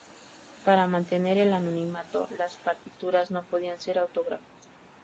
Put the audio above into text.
Para mantener el anonimato, las partituras no podían ser autógrafas.